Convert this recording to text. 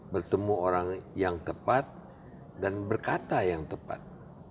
bertemu orang yang tepat dan berkata yang tepat